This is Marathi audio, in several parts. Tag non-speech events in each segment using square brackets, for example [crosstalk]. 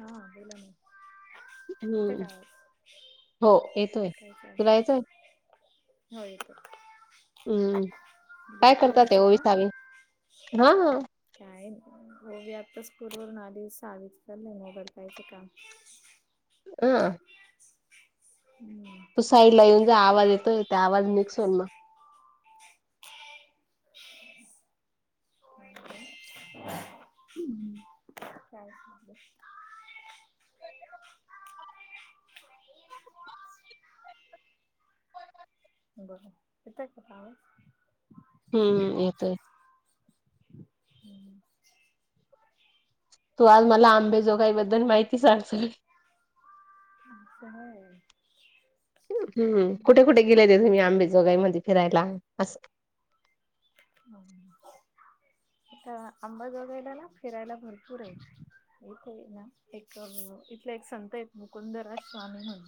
हा बोला ना! येतं हम्म, का आवाज हो येतोय काय तुला चालू याचंय. हो येत, हम्म काय करतात ते ब्युटीवररच आहे का? ओविसावी हा हा. काय होगी आत्ता स्कूलवरून आली, सावी चाललंय मोघडकायचं काम. ह. हम्म. तू साईड ला येऊन जे, आवाज येतोय त्या आवाज मिक्स होन मग. [inaudible] [unintelligible] बरं किता कता आहे? हम्मम यतोय. [inaudible] तू आज मला आंबेजोगाई बद्दल, माहिती सांगतो. चश. हम्म कुठे कुठे गेले ते तुम्ही, आंबेजोगाई मध्ये फिरायला असं? [inaudible] आता आंबा जोगायला ना फिरायला भरपूर आहे. एक का आहे ना एक इथले एक संत आहेत, मुकुंदराज स्वामी म्हणून.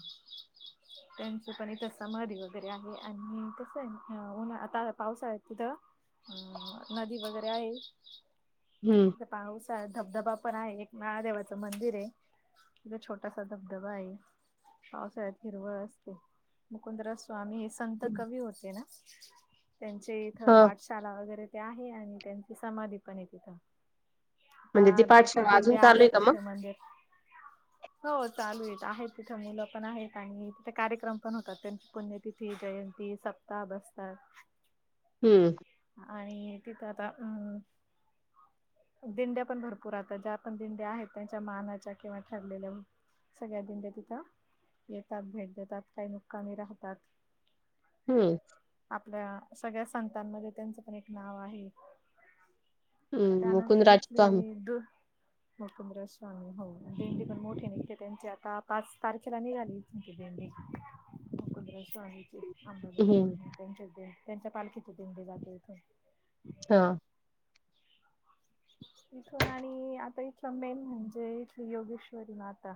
त्यांच पण इथं समाधी वगैरे आहे आणि तसं आहे हा उन्हा आणि आता पावसाळ्यात तिथं हा नदी वगैरे आहे. हम्म. ते पाऊसा धबधबा पण आहे, एक महादेवाचं मंदिर आहे. तिथं छोटासा धबधबा आहे. पावसाळ्यात हिरवळ, असते मुकुंदरा स्वामी. संत कवी होते ना, त्यांचे इथ हा पाठशाला वगैरे ते आहे आणि त्यांची समाधी पण आहे तिथं. म्हणजे ती ताय भरपूर पाठशाळा अजून दिंडे चालू आहे आल्याय का मग? तिथे मंदिर. हो चालू आहे आहेत तिथे मुलं पण आहेत आणि तिथे कार्यक्रम पण होतात त्यांची पुण्य तिथी जयंती सप्ता बस्तर हम्म. आणि तिथं आता उम्म दिंड्या पण भरपूर आता ज्या पण दिंड्या आहेत त्यांच्या मानाच्या किंवा ठरलेल्या सगळ्या दिंडे्या तिथं येतात, भेट देतात काही मुक्कामी राहतात. हम्म. आपल्या, सगळ्या संतांमध्ये त्यांचं पण एक नाव आहे. हम्म त्यानंतर मुकुंदराज स्वामी इथले दु मकुंद्र स्वामी हो देंडी पण मोठी अन इथे त्यांची आता पाच तारखेला निघाली [unintelligible] हम्म अंबाबा त्यांच्या दि त्यांच्या पालखीचे दिंडी जाते, इथून अ हा. इथून आणि आता इथलं मेन म्हणजे इथली योगेश्वरी माता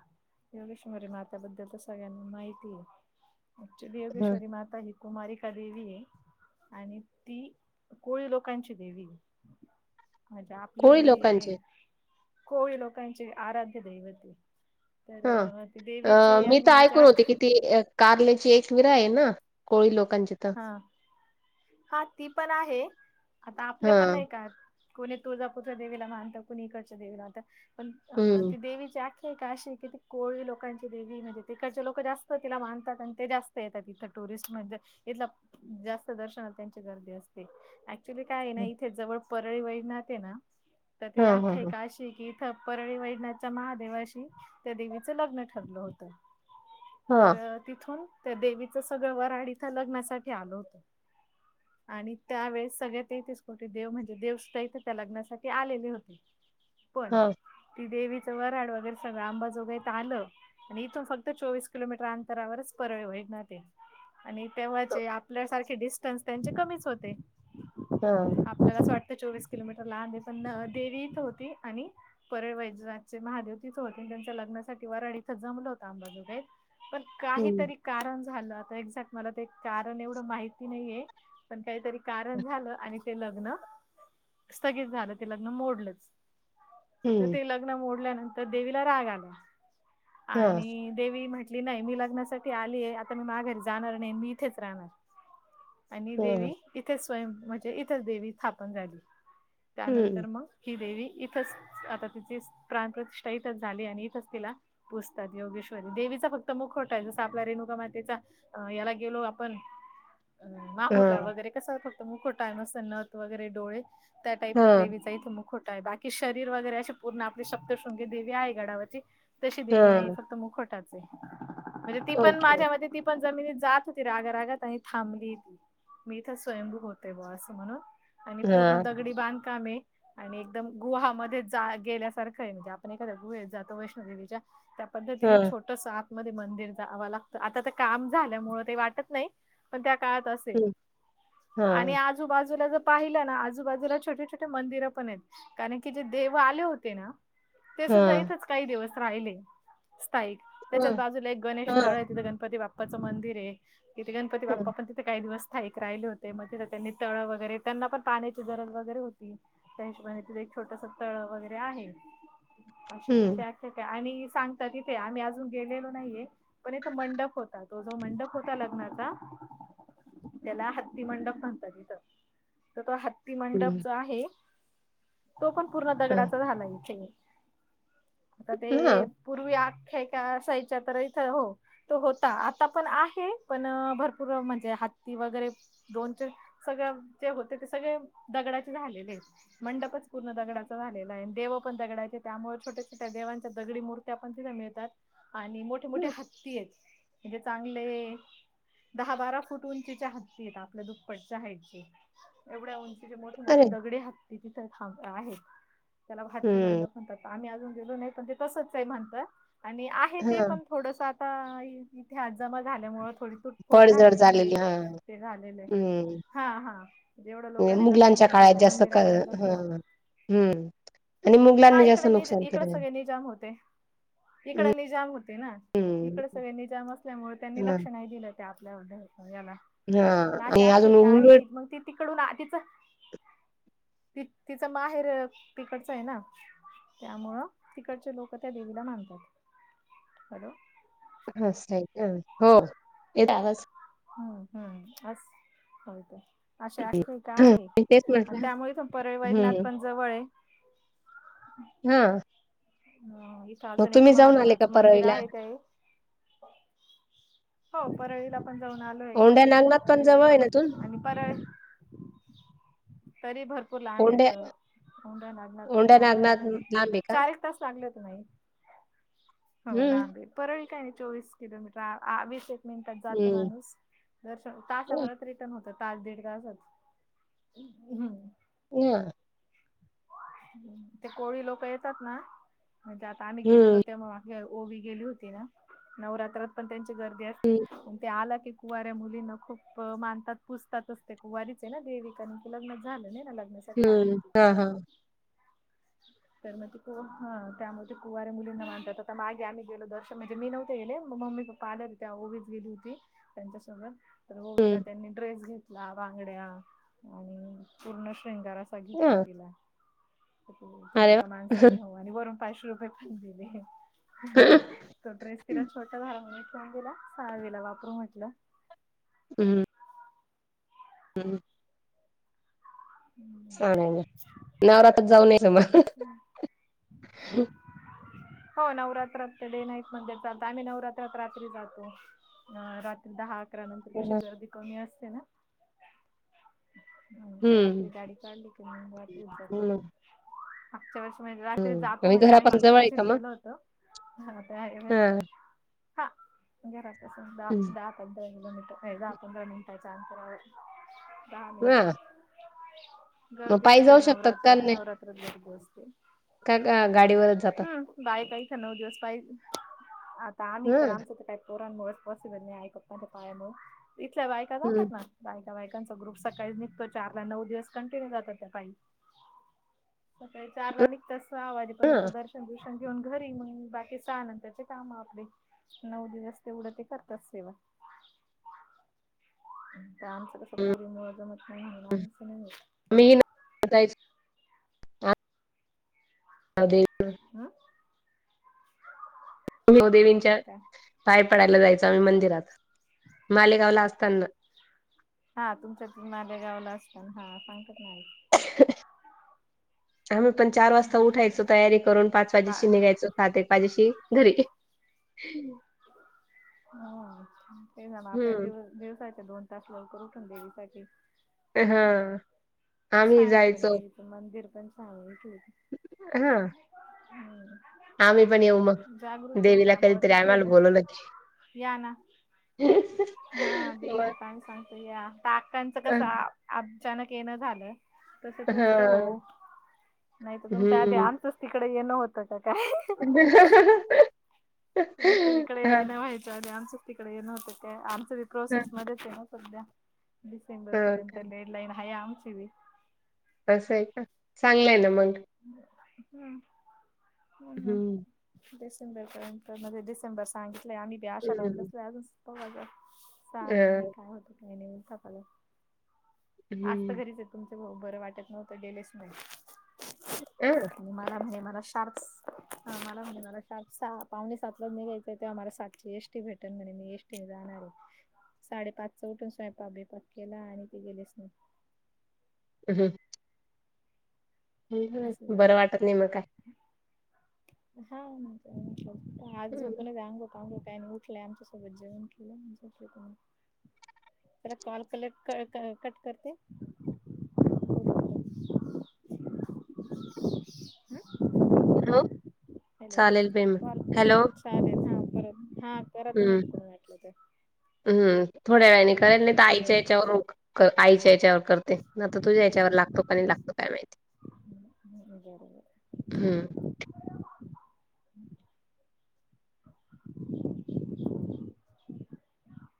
योगेश्वरी मात्या बद्दल तर, सगळ्यांना माहिती ऍक्च्युली हा योगेश्वरी माता ही. कुमारिका देवी हे आणि ती कोळी लोकांची देवी हे. म्हणजे कोळी आपली लोकांचे कोळी, लोकांची आराध्य दैवते. हा. तर ती अ, देवीची मी तर आणि ऐकून जाक. होते की ती कारल्याची एक विरा आहे, ना कोळी लोकांची तर ह, हा ती पण आहे, आता आपले पण हां. नाही का? कोणी तुळजापूरच्या देवीला मानतं कुणी इकडच्या देवीला म्हणत पण अ हं. ती देवीची ते काशी कि ते कोळी लोकांची देवी म्हणजे तिकडचे ललोकं जास्त तिला मानतात आणि ते जास् तिथं टुरिस्ट म्हणजे इथला जास्त दर्शना त्यांची गर्दी असते ऍक्च्युली काय आहे ना हं. इथे जवळ परळी वई नाते ना तर ती हां, हां, अख्खे हां. काशी की त्या परळी वैणाच्या महादेवाशी त्या देवीचं लग्न ठरलं होतं. तर हां, तिथून त्या देवीचं सगळं वराड इथं लग्नासाठी आलं होतो. आणि त्यावेळेस सगळ्या ते तीस कोटे देव म्हणजे देवस्थ इथं त्या लग्नासाठी आलेली होते. पण हां. ती देवीचा वराड वगैरे सगळं आंबाजोगायत आलं. आणि इथून फक्त चोवीस किलोमीटर अंतरावरच परवे वेग ना ते. आणि तेव्हाचे आपल्यासारखे डिस्टन्स त्यांचे, कमीच होते. हा. आपल्याला असं वाटतं, चोवीस किलोमीटर लांबे पण देवी तर होती आणि. परळ वैजनाथचे महादेव तिचं होते आणि त्यांच्या लग्नासाठी वारड इथं जमलं होता आंबाजोगई पण हं, काहीतरी कारण झालं आता एक्झक् मला ते कारण एवढं माहिती नाहीये पण काहीतरी कारण झालं आणि ते लग्न स्थगित झालं ते लग्न मोडलच तर हं. ते लग् तिनं मोडल्यानंतर देवीला राग आला हां, आणि देवी म्हटली नाही मी लग्नासाठी आली आहे, आता मी माघारी जाणार नाही मी इथेच राहणार. आणि हां. देवी इथेच स्वयं म्हणजे इथेच देवी स्थापन झाली. हं. त्यानंतर मग ही देवी इथच आता तिची प्राण प्रतिष्ठा इथच झाली आणि इथंच तिला. पुजतात योगेश्वरी देवीचा फक्त मुख खोटा आहे जस आपला रेणुका मातेचा. याला गेलो आपण माहुर रा हां, वगैरे कसा फ ग खोटामसत नथ वगैरे डोळे त्या टाईपच हां, देवीचाथ मुखव बाकी शरीर वगैरे अशी पूर्ण, आपली सप्तश्रृंगी देवी आहे गडावरची. तशी देवी नाही ही हां. फक्त मुखोटाच आहे, म्हणजे ती पण ओके. माझ्यामते ते जमीनीत जात होती राग रागात आणि थांबली ती, मी इथे स्वयंभू होतेय बुवा असं म्हणून. आणि पूर्ण हां, दगडी बांधकामे. आणि एकदम गुहामध्ये जा गेल्यासारखं आहे म्हणजे आपण एखाद्या गुहेत जातो वैष्णोदेवीच्या. त्या पद्धतीने हां. छोट सतमध्येध्ये मंदिर जावं लागतं आता त्या काम झाल्यामुळे ते वाटत नाही, पण त्या काळात असेल हं. आणि हां, आजू आजूबाजूला ज पाहिलं ना आजूबाजूला छोटे छोटे मंदिर पण आहेत. कारण की जे देव आले होते ना ते सुद्धा हां. इथच काही दिवस राहिले. स्थायिक त्याच्याच हं, बाजूला एक गणेश स्थळ हां, आहे, तिथे गणपती बाप्पाचं मंदिर आहे. तीत गणपती बाप्पा हं. पण तित काही दिवस थाईक राहिले होते, मग तिथे त्यांनी तळं वगैरे त्यांना पण पाण्याची गरज वगैरे होती. त्या हिशोबाने तीथे एक छोटंसं तळ वगैरे आहे. अशी तिथे हं, आख्या आहे आणि सांगता तिथे आम्ही अजून गेलेलो नाहीये. पण इथ मंडप होता तो जो, मंडप होता लग्नाचा. त्याला हत्ती मंडप म्हणतात, इथं तर तो हत्ती. ती मंडप हं. जो आहे तो पण, पूर्ण दगडाचा झाला आहे इथे. आता ते हं. हां. पूर्वी आख्या का, असायच्या तर इथ हो तो होत आता पण आहे पण भरपूर म्हणजे हत्ती वगैरे. दोनचे सगळ जे होते ते, सगळे दगडाचे झालेलेत. मंडपच पूर्ण दगडाचचा झालेला आहे देव पण दगडायचे त्यामुळे छोट्या छोट्या देवांच्या दगडी मूर्ती त्या पण तिथ मिळतात आणि मोठे मोठे हं. हत्ती आहेत, म्हणजे चांगले. दहा बारा फूट उंचीच्या हत्ती आहेत आपल्या दुप्पटच्या हाईट एवढ्या उंच मोठे मोठे अरे! दगडे हत्ती तिथांब आहे त्याला हाती हं. मंडप. म्हणतात आम्ही अजून गेलो नाही पण ते तसंच आहे म्हणतात, आणि आहे ते हां. पण थोडंसं आता. इथे आज जमा झाल्यामुळे थोडी. तुटफोट पडझड झालेली आहे ह. ते झालेलं आहे हम्म हा हा जेवढं लोकांनी लक्ष मुघलांच्या नाही काळात दिले जास्त मंदिराकडे लक्ष आहे. हा. हम्म. हा इकडे निज, इकडे सगळे निजाम होते इकड निजाम होते ना हम्म इकडे सगळे निजाम असल्यामुळे त्यांनी हा लक्ष नाही दिलं. ते आपल्या व याला. हा पण अशी आणि अजून आख्यायिका आहे उल्लूयेत. की मग ती तिकडून आ तिचं त तिचं माहेर तिकडचं आहे ना? त्यामुळं तिकडचे लोक त्या देवीला मानतात, हॅलो? [unintelligible] हो येत आवाज. हम्म हम्म असं होय ते. अशा आखिका हं, आहे मी तेच आणि म्हटलं त्यामुळे पण परळी वैदनात हम्म पण जवळ आहे. हा. अं... इथे मग अजून एक तुम्ही जाऊन आले का महादेवाचं मंदिर परळीला आहे ते. हो, परळीला पण जाऊन आलो. कोंडे नागनाथ पण जवळ आहे ना इथून? परळ तरी भरपू भरपूर लांब औंढ्या आहे, हंड नागनाला व औंढ्या आमार नागनाथ लांब आहे का चाळीस तास लागले होते ना आई. हो हम्म लांबी परळी काय नाही चोवीस किलोमीटर आ वीस हे. मिनटात जात हम्म माणूस, दर्शन तासा हा भरात तो म्हणतो तास दीड तासच. ह. ते कोळी लोक येतात ना, म्हणजे आता आम्ही गेलेलो. हम्म त्यामुळे हे ओवी गेली होती, ना नवरात्रात पण त्यांची गर्दी असते हम्म पण ते आला की. कुवऱ्या मुलींना खूप मानतात पुजतात, ते कुवारीच ना देविकानी की लग्न झालं नाही ना लग्न. हम्म हा हा. तर मग ते त्यामुळे कुवऱ्या मुलींना मानतात. माघे आम्ही गेलो दर्शन, म्हणजे मी नव्हतेे गेले मम्मी पप्पा आले होते तेव्हा ओवीच गेली होती. त्यांच्या सोबत तर ओवीला हम्म त्यांनी ड्रेस घेतला, बांगड्या आणि पूर्ण शृंगार असतो. हा बघितल पण अरे वा एका माणसानी हो. आणि वरून पाचशे रुपये पण दिले. तो ड्रेस तिला छोटा झाला म्हणून, ठेऊन दिला सहावीला वापरू म्हटलं. हम् हम. ह. चा नवरात्रात जाऊन यायचं मग. [inaudible] हो नवरात्रात ते डे नाईट मध्ये देतात, आम्ही नवरात्रात रात्री जातो. हा रात्री दहा अकरा नंतर कशी गर्दी कमी असते ना. हो रात्री गाडी काढली की, मग रात्रीच जातो. हम्म मागच्या वर्षी म्हणजे रात्री हम्म जातो, आणि म्हणजे आम्ही घरापासून मागच्या जवळ आहे वर्षीच का मग? गेलो होतो. हा नाते आहे, हा घरातच दाब पंधरा किलोमीटर ए दहा पंधरा मिनिटाच्या अंतरा वर, आहे दहा मिनट. हा मग गर्दी पायी जाऊ असतेच, शकतात का नवरात्रात नाही नवरात्रात गर्दी असते. का गा गाडीवरच जातात? हम्म बाई काय का नऊ दिवस पाय आता आम्ही हा तर, आमच काय. पोरांमुळे पॉसिबल नाही आहे पप्पांच्या पायामुळे इथल्या बायका हम्म जातात ना. बायका बायकांचा, ग्रुप सकाळी निघतो. चारला नऊ दिवस कंटिन्यू जातात, त्या पाई सकाळी चारला निघता. सहा हा वाजेपर्यंत दर्शन दुर्शन घेऊन, घरी मग बाकी सहा नंतरचे काम आपले. नऊ दिवस तेवढं ते करतात सेवा. आमचं कसं पोरीमुळे जमत नाही, म्हण आमचं नाही होत. मी ना? आ. हा. कुलदेवींच्या काय पाय पडायला जायचो, आम्ही मंदिरात मालेगावला असतांना ना. हा तुमच्या त माले गावला असतात, हा सांगतातना आई. ह. आम्ही पण चार वाजता उठायचो, तयारी करून पाच वाजेशी आई निघायचो सात एक वाजेशी घरी. हम्म. ते झालं, आपल्या हम्म दिवस दिवसाचे दोन. तास लवकर उठून देवीसाठी. हा. आम्ही छान आहे, पण जायचो देवीचं मंदिर पण छान आहे. हा. हम्! आम्ही पण येऊ मग देवीला, त्यामुळे कधीतरी आम्हाला तिथलेलं बोलवलकी. या ना हा देवीला मग तर आम्ही सांगतो. या आत्याचं कसं अचानक, येणं झालं! तसं तुमच हा होवो. नाही तर तुमच्या आधी हम्म. आमचंच तिकडं येणं होतं का काय? [inaudible] तुमचं इकडे हां, येणं व्हायचं आधीच आमचंच तिकडं येणं होतंय का काय. आमच हां, प्रोसेसमध्येच आहे ना सध्या, डिसेंबर हां. पर्यंत डेडलाईन आहे आमची बी. असं आहे का, चांगलंय ना मग. हम्म हम्म हं, हम्म. डिसेंबरपर्यंत म्हणजे डिसेंबर सांगितलंय आम्ही बी आशा लावून हं. बसलोय अजून. [unintelligible] सहा महिने अ, काय होतं काय नाही [unintelligible] आज तर हं. घरीच आहे तुमचे भाऊ. बरं वाटत नव्हतं गेलेच नाही. अं... मला म्हणे मला शार्प मला म्हणे मला शार्प सहा पावणे सातलाच निघायचे आहे. त्या मला सातची एस ती भेट म्हणे मी, एसटीन जाणार आहे. साडेपाच उठून स्वयंपाक बिपाक केला आणि ते गेलेच नाही. हम्म. असं झालं. बरं वाटत नाही, मग काय. हा.. आज हं. झोपूनच आज आगं. पावणे काय उठले आमच्यासोबत जेवण केलं आणि झोपले पण. जरा कॉल कलेक्ट क क कट करते. हम्म. हॅलो चालेल, बाई मग कॉल हॅलो. चालेल हा, बरं हा.. करा तुम्ही हम्म तिकडून वाटलं तर हम्म. थोड्या वेळाने करेल नाही, तर वेळ आईच्या याच्यावर रुख आईच्या हेच्यावर. करते. नाही तर तुझ्या ह्याच्यावर लागतो की नाही लागतो काय माहिती. बरोबर हम्म.